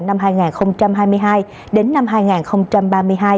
năm hai nghìn hai mươi hai đến năm hai nghìn ba mươi hai